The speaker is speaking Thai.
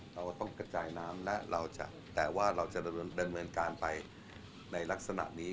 เราต้องกระจายน้ำและเราจะแต่ว่าเราจะดำเนินการไปในลักษณะนี้